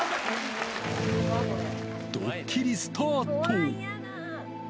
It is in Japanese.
ドッキリスタート。